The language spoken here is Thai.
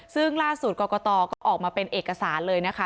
ซึ่งล่าสุดกรกตก็ออกมาเป็นเอกสารเลยนะคะ